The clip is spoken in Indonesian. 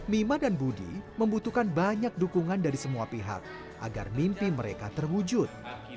mima dan budi membutuhkan banyak dukungan dari semua pihak agar mimpi mereka terwujud